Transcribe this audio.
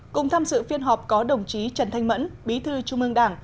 cùng tham dự phiên họp có đồng chí trần thanh mẫn bí thư trung ương đảng